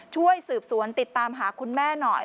ช่วยสืบสวนติดตามหาคุณแม่หน่อย